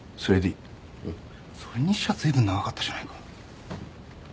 それにしちゃずいぶん長かったじゃないか。